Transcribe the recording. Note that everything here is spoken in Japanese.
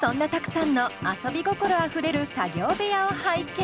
Ｔａｋｕさんの遊び心あふれる作業部屋を拝見。